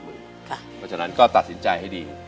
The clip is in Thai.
เพราะฉะนั้นก็ตัดสินใจให้ดี